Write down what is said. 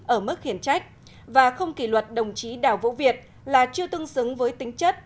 ở mức khiển trách và không kỷ luật đồng chí đảo vũ việt là chưa tương xứng với tính chất